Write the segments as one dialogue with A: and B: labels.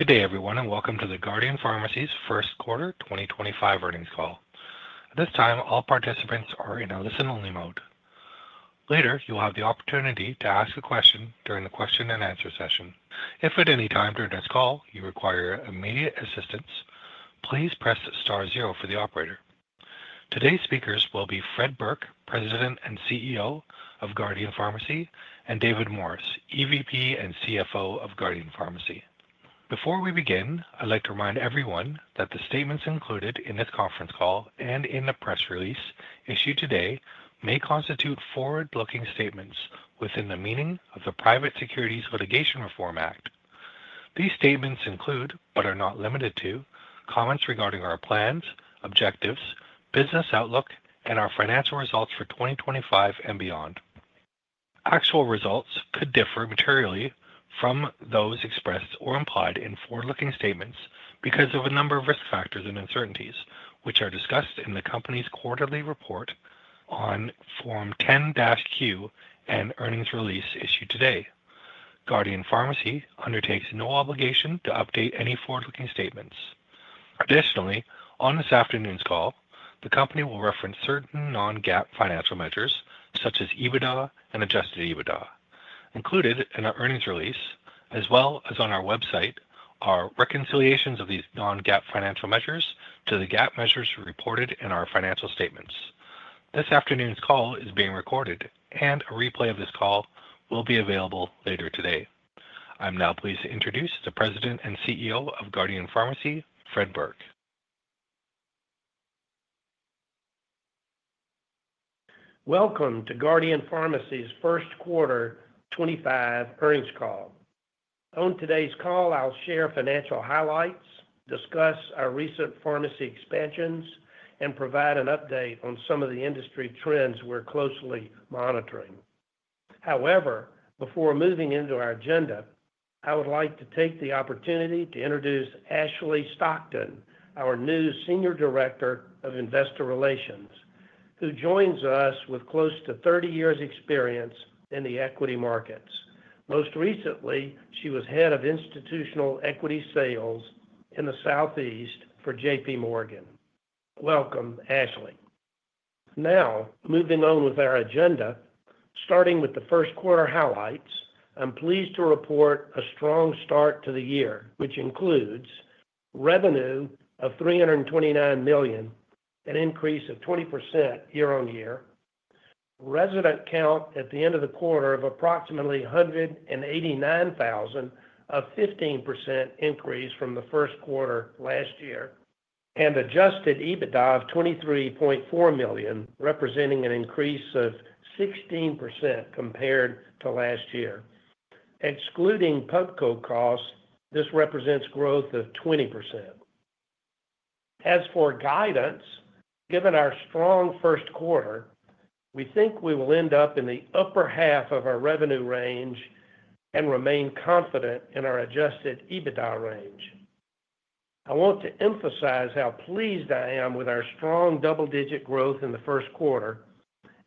A: Good day, everyone, and welcome to the Guardian Pharmacy Services first quarter 2025 earnings call. At this time, all participants are in a listen-only mode. Later, you'll have the opportunity to ask a question during the question-and-answer session. If at any time during this call you require immediate assistance, please press star zero for the operator. Today's speakers will be Fred Burke, President and CEO of Guardian Pharmacy Services, and David Morris, EVP and CFO of Guardian Pharmacy Services. Before we begin, I'd like to remind everyone that the statements included in this conference call and in the press release issued today may constitute forward-looking statements within the meaning of the Private Securities Litigation Reform Act. These statements include, but are not limited to, comments regarding our plans, objectives, business outlook, and our financial results for 2025 and beyond. Actual results could differ materially from those expressed or implied in forward-looking statements because of a number of risk factors and uncertainties, which are discussed in the company's quarterly report on Form 10-Q and earnings release issued today. Guardian Pharmacy Services undertakes no obligation to update any forward-looking statements. Additionally, on this afternoon's call, the company will reference certain non-GAAP financial measures such as EBITDA and Adjusted EBITDA included in our earnings release, as well as on our website, our reconciliations of these non-GAAP financial measures to the GAAP measures reported in our financial statements. This afternoon's call is being recorded, and a replay of this call will be available later today. I'm now pleased to introduce the President and CEO of Guardian Pharmacy Services, Fred Burke.
B: Welcome to Guardian Pharmacy Services' first quarter 2025 earnings call. On today's call, I'll share financial highlights, discuss our recent pharmacy expansions, and provide an update on some of the industry trends we're closely monitoring. However, before moving into our agenda, I would like to take the opportunity to introduce Ashley Stockton, our new Senior Director of Investor Relations, who joins us with close to 30 years' experience in the equity markets. Most recently, she was head of institutional equity sales in the Southeast for JP.Morgan. Welcome, Ashley. Now, moving on with our agenda, starting with the first quarter highlights, I'm pleased to report a strong start to the year, which includes revenue of $329 million, an increase of 20% year-on-year, a resident count at the end of the quarter of approximately 189,000, a 15% increase from the first quarter last year, and Adjusted EBITDA of $23.4 million, representing an increase of 16% compared to last year. Excluding Pubco costs, this represents growth of 20%. As for guidance, given our strong first quarter, we think we will end up in the upper half of our revenue range and remain confident in our Adjusted EBITDA range. I want to emphasize how pleased I am with our strong double-digit growth in the first quarter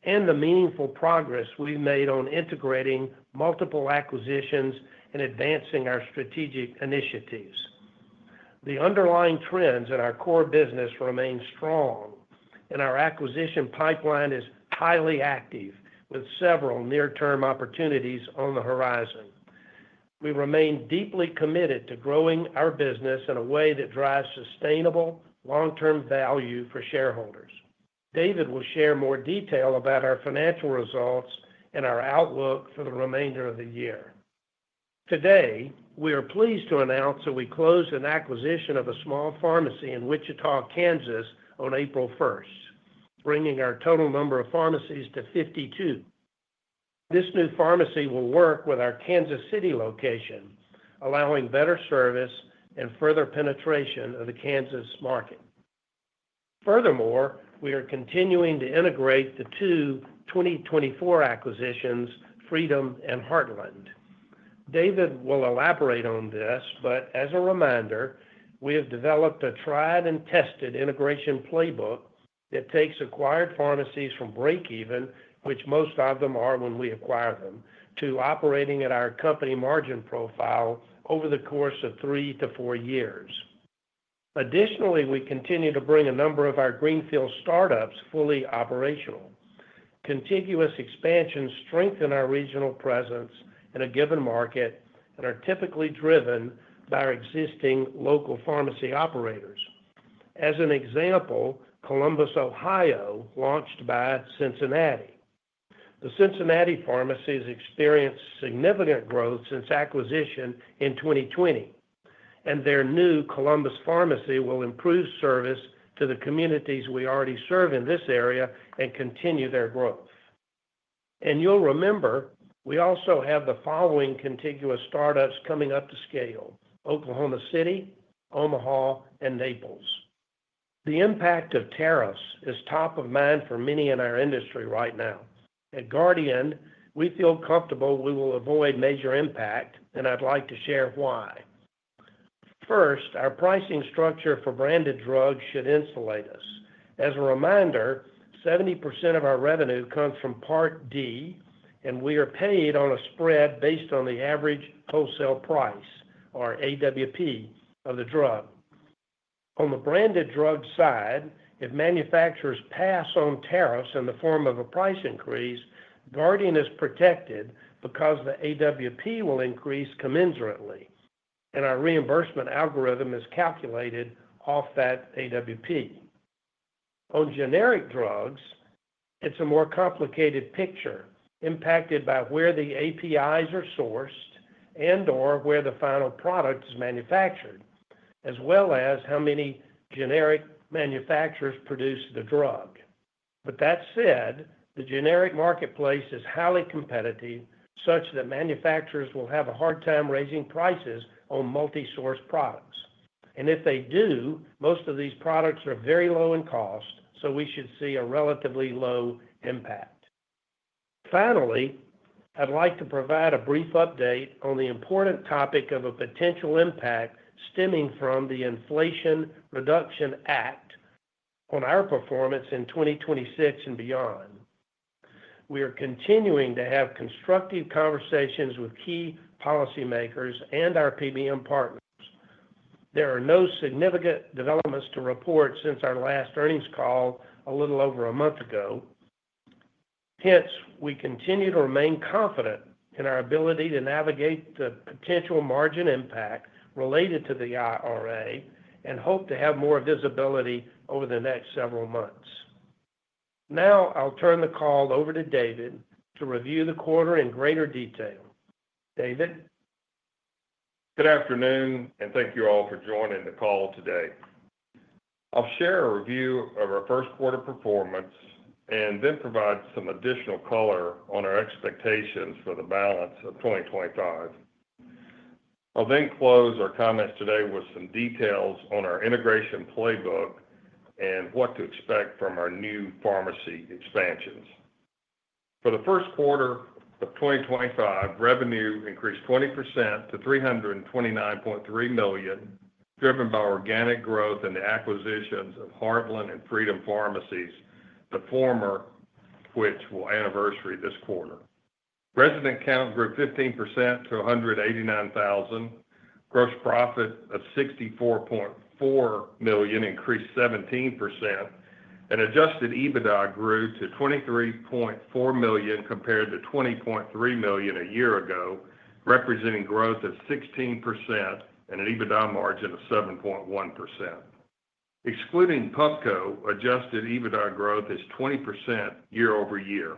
B: and the meaningful progress we've made on integrating multiple acquisitions and advancing our strategic initiatives. The underlying trends in our core business remain strong, and our acquisition pipeline is highly active, with several near-term opportunities on the horizon. We remain deeply committed to growing our business in a way that drives sustainable long-term value for shareholders. David will share more detail about our financial results and our outlook for the remainder of the year. Today, we are pleased to announce that we closed an acquisition of a small pharmacy in Wichita, Kansas, on April 1, bringing our total number of pharmacies to 52. This new pharmacy will work with our Kansas City location, allowing better service and further penetration of the Kansas market. Furthermore, we are continuing to integrate the two 2024 acquisitions, Freedom and Heartland. David will elaborate on this, but as a reminder, we have developed a tried-and-tested integration playbook that takes acquired pharmacies from breakeven, which most of them are when we acquire them, to operating at our company margin profile over the course of three to four years. Additionally, we continue to bring a number of our greenfield startups fully operational. Continuous expansions strengthen our regional presence in a given market and are typically driven by our existing local pharmacy operators. As an example, Columbus, Ohio, launched by Cincinnati. The Cincinnati pharmacy has experienced significant growth since acquisition in 2020, and their new Columbus pharmacy will improve service to the communities we already serve in this area and continue their growth. You will remember, we also have the following contiguous startups coming up to scale: Oklahoma City, Omaha, and Naples. The impact of tariffs is top of mind for many in our industry right now. At Guardian, we feel comfortable we will avoid major impact, and I'd like to share why. First, our pricing structure for branded drugs should insulate us. As a reminder, 70% of our revenue comes from Part D, and we are paid on a spread based on the average wholesale price, or AWP, of the drug. On the branded drug side, if manufacturers pass on tariffs in the form of a price increase, Guardian is protected because the AWP will increase commensurately, and our reimbursement algorithm is calculated off that AWP. On generic drugs, it's a more complicated picture impacted by where the APIs are sourced and/or where the final product is manufactured, as well as how many generic manufacturers produce the drug. That said, the generic marketplace is highly competitive such that manufacturers will have a hard time raising prices on multi-source products. If they do, most of these products are very low in cost, so we should see a relatively low impact. Finally, I'd like to provide a brief update on the important topic of a potential impact stemming from the Inflation Reduction Act on our performance in 2026 and beyond. We are continuing to have constructive conversations with key policymakers and our PBM partners. There are no significant developments to report since our last earnings call a little over a month ago. Hence, we continue to remain confident in our ability to navigate the potential margin impact related to the IRA and hope to have more visibility over the next several months. Now, I'll turn the call over to David to review the quarter in greater detail. David?
C: Good afternoon, and thank you all for joining the call today. I'll share a review of our first quarter performance and then provide some additional color on our expectations for the balance of 2025. I'll then close our comments today with some details on our integration playbook and what to expect from our new pharmacy expansions. For the first quarter of 2025, revenue increased 20% to $329.3 million, driven by organic growth and the acquisitions of Heartland and Freedom Pharmacies, the former which will anniversary this quarter. Resident count grew 15% to 189,000. Gross profit of $64.4 million increased 17%, and Adjusted EBITDA grew to $23.4 million compared to $20.3 million a year ago, representing growth of 16% and an EBITDA margin of 7.1%. Excluding Pubco, Adjusted EBITDA growth is 20% year-over-year.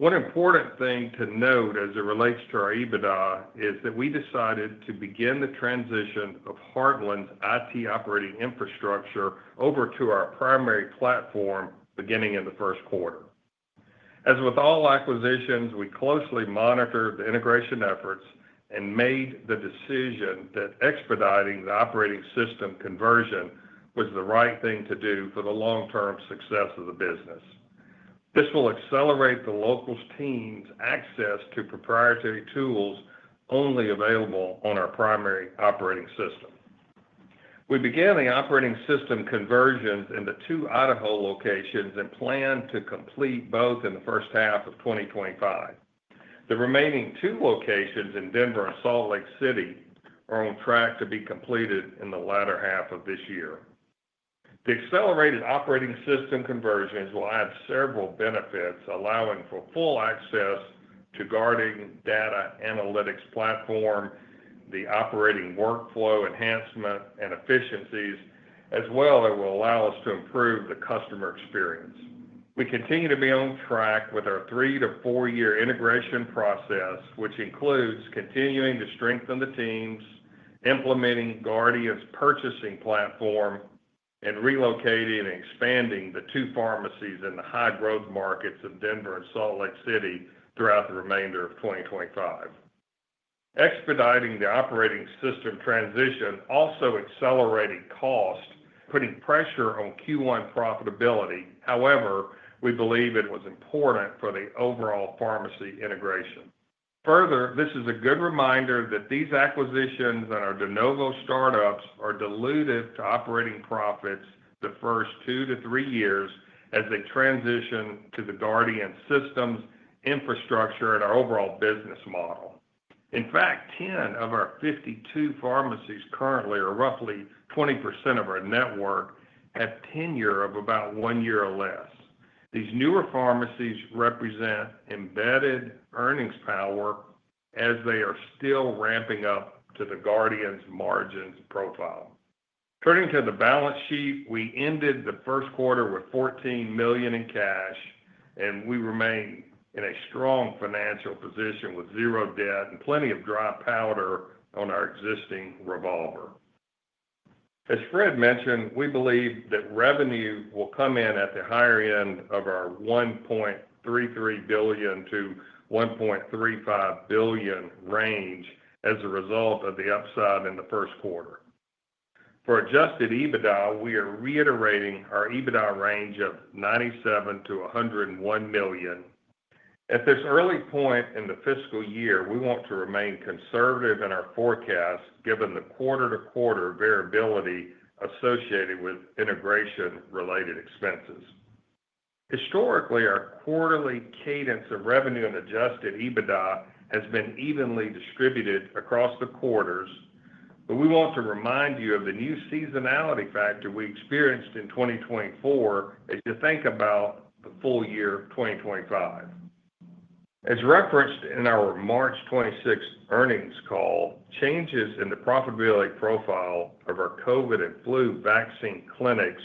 C: One important thing to note as it relates to our EBITDA is that we decided to begin the transition of Heartland's IT operating infrastructure over to our primary platform beginning in the first quarter. As with all acquisitions, we closely monitored the integration efforts and made the decision that expediting the operating system conversion was the right thing to do for the long-term success of the business. This will accelerate the local team's access to proprietary tools only available on our primary operating system. We began the operating system conversions in the two Idaho locations and plan to complete both in the first half of 2025. The remaining two locations in Denver and Salt Lake City are on track to be completed in the latter half of this year. The accelerated operating system conversions will add several benefits, allowing for full access to Guardian Data Analytics Platform, the operating workflow enhancement and efficiencies, as well as will allow us to improve the customer experience. We continue to be on track with our three- to four-year integration process, which includes continuing to strengthen the teams, implementing Guardian's purchasing platform, and relocating and expanding the two pharmacies in the high-growth markets of Denver and Salt Lake City throughout the remainder of 2025. Expediting the operating system transition also accelerated cost, putting pressure on Q1 profitability. However, we believe it was important for the overall pharmacy integration. Further, this is a good reminder that these acquisitions and our de novo startups are diluted to operating profits the first two to three years as they transition to the Guardian systems, infrastructure, and our overall business model. In fact, 10 of our 52 pharmacies currently are roughly 20% of our network at tenure of about one year or less. These newer pharmacies represent embedded earnings power as they are still ramping up to the Guardian's margins profile. Turning to the balance sheet, we ended the first quarter with $14 million in cash, and we remain in a strong financial position with zero debt and plenty of dry powder on our existing revolver. As Fred mentioned, we believe that revenue will come in at the higher end of our $1.33 billion-$1.35 billion range as a result of the upside in the first quarter. For Adjusted EBITDA, we are reiterating our EBITDA range of $97 million-$101 million. At this early point in the fiscal year, we want to remain conservative in our forecast given the quarter-to-quarter variability associated with integration-related expenses. Historically, our quarterly cadence of revenue and Adjusted EBITDA has been evenly distributed across the quarters, but we want to remind you of the new seasonality factor we experienced in 2024 as you think about the full year of 2025. As referenced in our March 26 earnings call, changes in the profitability profile of our COVID and flu vaccine clinics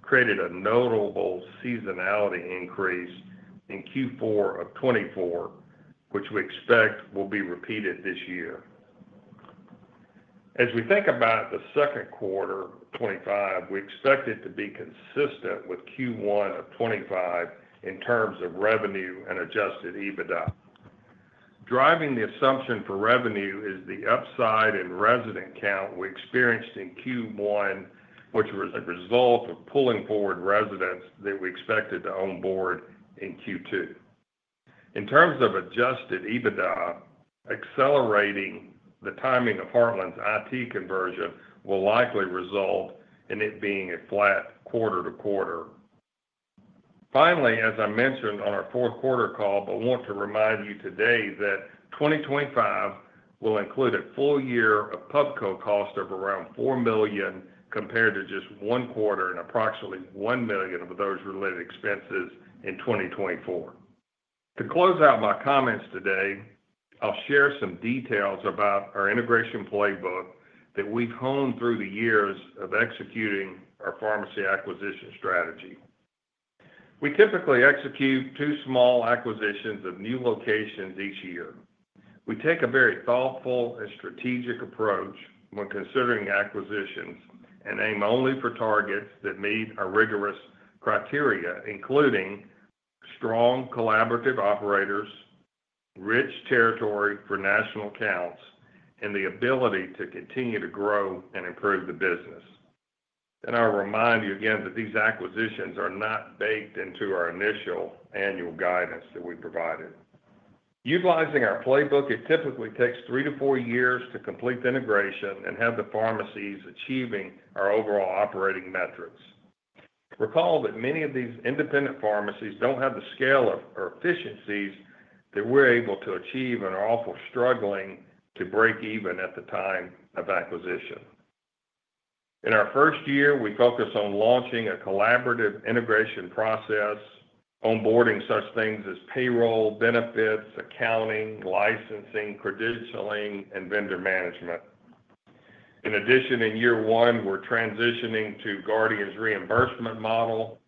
C: created a notable seasonality increase in Q4 of 2024, which we expect will be repeated this year. As we think about the second quarter of 2025, we expect it to be consistent with Q1 of 2025 in terms of revenue and Adjusted EBITDA. Driving the assumption for revenue is the upside in resident count we experienced in Q1, which was a result of pulling forward residents that we expected to onboard in Q2. In terms of Adjusted EBITDA, accelerating the timing of Heartland's IT conversion will likely result in it being a flat quarter-to-quarter. Finally, as I mentioned on our fourth quarter call, I want to remind you today that 2025 will include a full year of Pubco cost of around $4 million compared to just one quarter and approximately $1 million of those related expenses in 2024. To close out my comments today, I'll share some details about our integration playbook that we've honed through the years of executing our pharmacy acquisition strategy. We typically execute two small acquisitions of new locations each year. We take a very thoughtful and strategic approach when considering acquisitions and aim only for targets that meet our rigorous criteria, including strong collaborative operators, rich territory for national counts, and the ability to continue to grow and improve the business. I'll remind you again that these acquisitions are not baked into our initial annual guidance that we provided. Utilizing our playbook, it typically takes three to four years to complete the integration and have the pharmacies achieving our overall operating metrics. Recall that many of these independent pharmacies do not have the scale or efficiencies that we're able to achieve and are also struggling to break even at the time of acquisition. In our first year, we focus on launching a collaborative integration process, onboarding such things as payroll, benefits, accounting, licensing, credentialing, and vendor management. In addition, in year one, we're transitioning to Guardian's reimbursement model.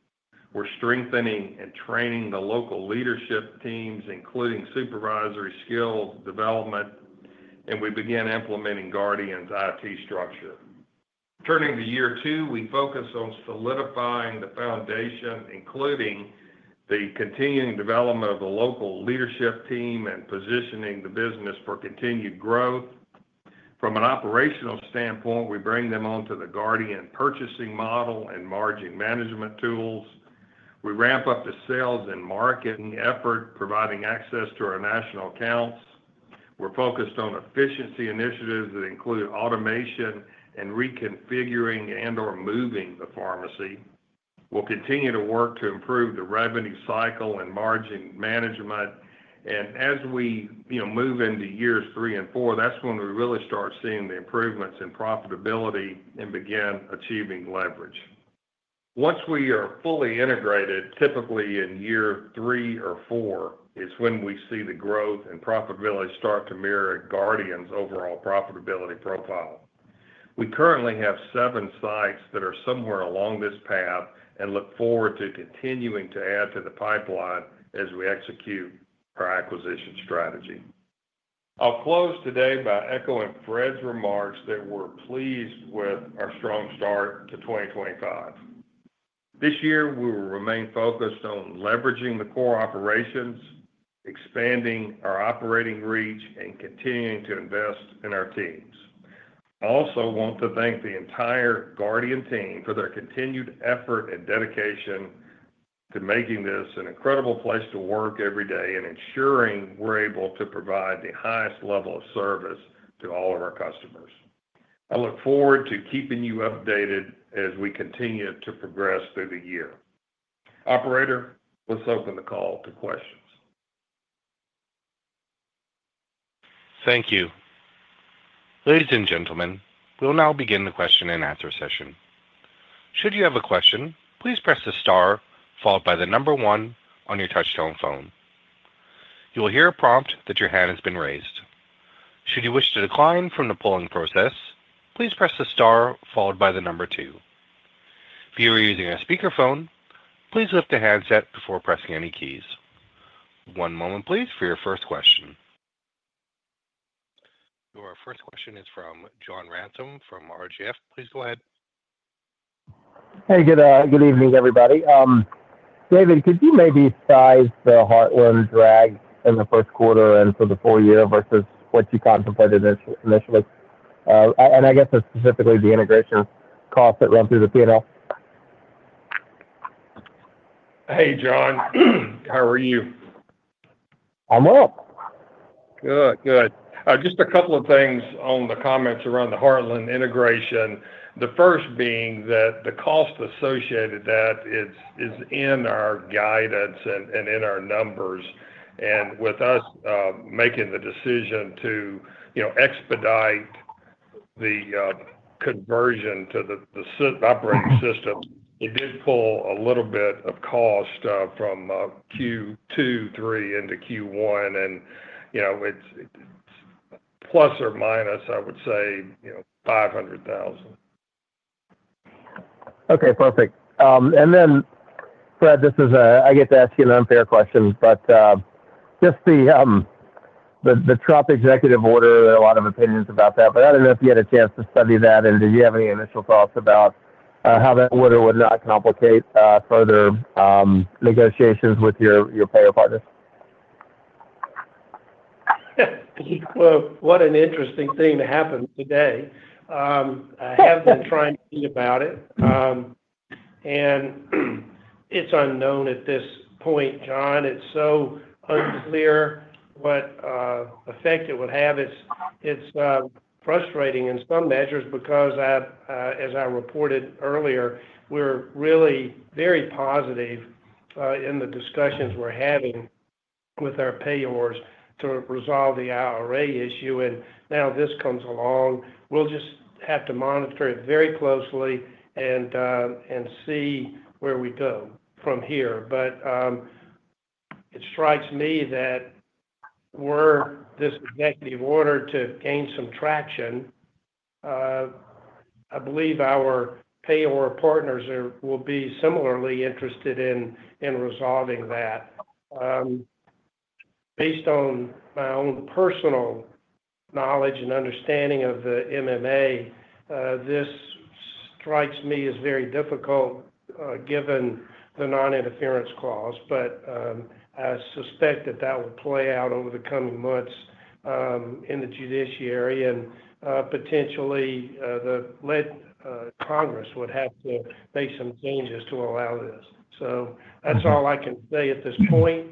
C: We're strengthening and training the local leadership teams, including supervisory skill development, and we begin implementing Guardian's IT structure. Turning to year two, we focus on solidifying the foundation, including the continuing development of the local leadership team and positioning the business for continued growth. From an operational standpoint, we bring them onto the Guardian purchasing model and margin management tools. We ramp up the sales and marketing effort, providing access to our national accounts. We are focused on efficiency initiatives that include automation and reconfiguring and/or moving the pharmacy. We will continue to work to improve the revenue cycle and margin management. As we move into years three and four, that is when we really start seeing the improvements in profitability and begin achieving leverage. Once we are fully integrated, typically in year three or four, that is when we see the growth and profitability start to mirror Guardian's overall profitability profile. We currently have seven sites that are somewhere along this path and look forward to continuing to add to the pipeline as we execute our acquisition strategy. I'll close today by echoing Fred's remarks that we're pleased with our strong start to 2025. This year, we will remain focused on leveraging the core operations, expanding our operating reach, and continuing to invest in our teams. I also want to thank the entire Guardian team for their continued effort and dedication to making this an incredible place to work every day and ensuring we're able to provide the highest level of service to all of our customers. I look forward to keeping you updated as we continue to progress through the year. Operator, let's open the call to questions.
A: Thank you. Ladies and gentlemen, we'll now begin the question and answer session. Should you have a question, please press the star followed by the number one on your touch-tone phone. You will hear a prompt that your hand has been raised. Should you wish to decline from the polling process, please press the star followed by the number two. If you are using a speakerphone, please lift the handset before pressing any keys. One moment, please, for your first question. Your first question is from John Ransom from RGF. Please go ahead.
D: Hey, good evening, everybody. David, could you maybe size the Heartland drag in the first quarter and for the full year versus what you contemplated initially? I guess it's specifically the integration costs that run through the P&L.
C: Hey, John. How are you?
D: I'm well.
C: Good, good. Just a couple of things on the comments around the Heartland integration. The first being that the cost associated with that is in our guidance and in our numbers. With us making the decision to expedite the conversion to the operating system, it did pull a little bit of cost from Q2, Q3 into Q1. It's plus or minus, I would say, $500,000.
D: Okay, perfect. Fred, this is a—I get to ask you an unfair question, but just the Trump executive order, there are a lot of opinions about that. I do not know if you had a chance to study that, and did you have any initial thoughts about how that would or would not complicate further negotiations with your payer partners?
B: What an interesting thing to happen today. I have been trying to think about it, and it's unknown at this point, John. It's so unclear what effect it would have. It's frustrating in some measures because, as I reported earlier, we're really very positive in the discussions we're having with our payors to resolve the IRA issue. Now this comes along. We'll just have to monitor it very closely and see where we go from here. It strikes me that this executive order to gain some traction, I believe our payor partners will be similarly interested in resolving that. Based on my own personal knowledge and understanding of the MMA, this strikes me as very difficult given the non-interference clause. I suspect that that will play out over the coming months in the judiciary, and potentially the Congress would have to make some changes to allow this. That's all I can say at this point.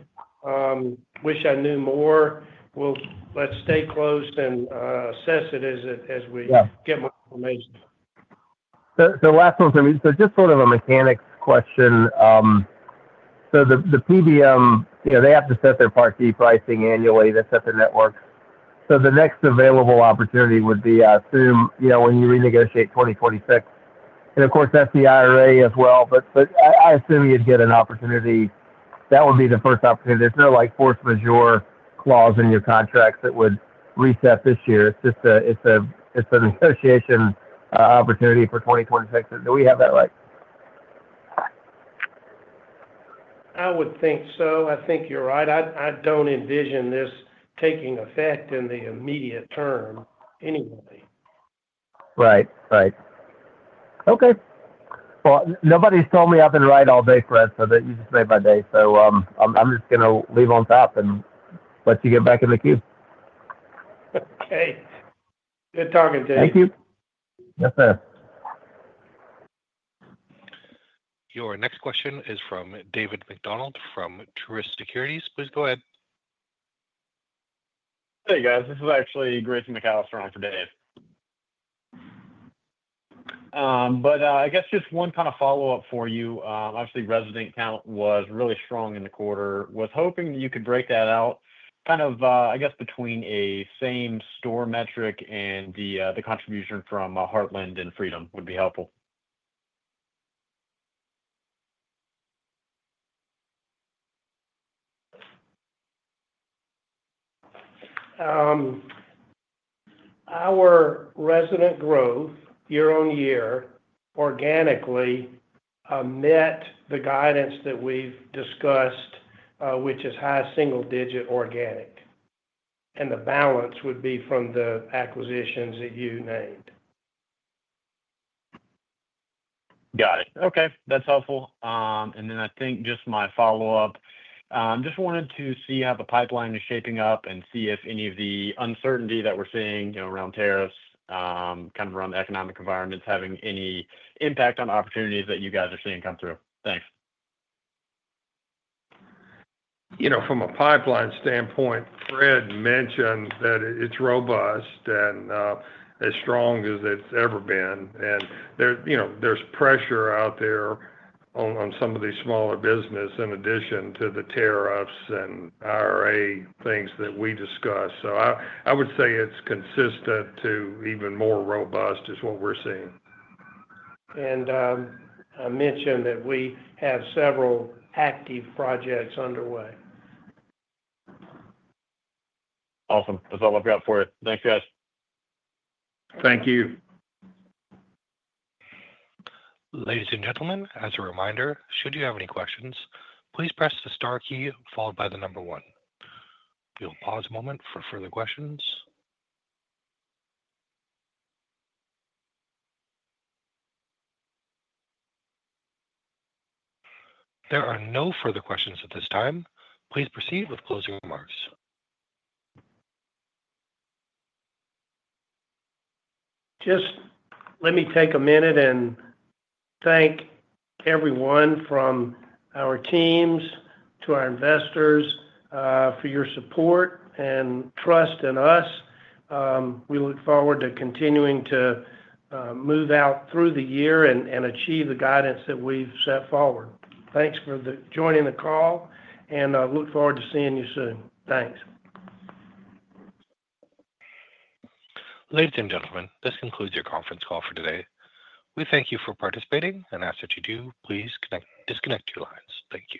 B: Wish I knew more. Let's stay close and assess it as we get more information.
D: The last one for me, so just sort of a mechanics question. The PBM, they have to set their Part D pricing annually. That's at the network. The next available opportunity would be, I assume, when you renegotiate 2026. Of course, that's the IRA as well. I assume you'd get an opportunity. That would be the first opportunity. There's no force majeure clause in your contracts that would reset this year. It's a negotiation opportunity for 2026. Do we have that right?
B: I would think so. I think you're right. I don't envision this taking effect in the immediate term anyway.
D: Right, right. Okay. Nobody's told me I've been right all day, Fred, so that just made my day. I'm just going to leave on top and let you get back in the queue.
B: Great. Good talking to you.
D: Thank you. Yes, sir.
A: Your next question is from David McDonald from Truist Securities. Please go ahead.
E: Hey, guys. This is actually Grayson McAlister on for Dave. I guess just one kind of follow-up for you. Obviously, resident count was really strong in the quarter. I was hoping that you could break that out, kind of, I guess, between a same store metric and the contribution from Heartland and Freedom would be helpful.
B: Our resident growth year on year organically met the guidance that we've discussed, which is high single-digit organic. The balance would be from the acquisitions that you named.
E: Got it. Okay. That's helpful. I just wanted to see how the pipeline is shaping up and see if any of the uncertainty that we're seeing around tariffs, kind of around the economic environment, is having any impact on opportunities that you guys are seeing come through. Thanks.
C: From a pipeline standpoint, Fred mentioned that it's robust and as strong as it's ever been. There's pressure out there on some of these smaller businesses in addition to the tariffs and IRA things that we discussed. I would say it's consistent to even more robust is what we're seeing.
B: I mentioned that we have several active projects underway.
E: Awesome. That's all I've got for you. Thanks, guys.
C: Thank you.
A: Ladies and gentlemen, as a reminder, should you have any questions, please press the star key followed by the number one. We'll pause a moment for further questions. There are no further questions at this time. Please proceed with closing remarks.
B: Just let me take a minute and thank everyone from our teams to our investors for your support and trust in us. We look forward to continuing to move out through the year and achieve the guidance that we've set forward. Thanks for joining the call, and I look forward to seeing you soon. Thanks.
A: Ladies and gentlemen, this concludes your conference call for today. We thank you for participating and ask that you do please disconnect your lines. Thank you.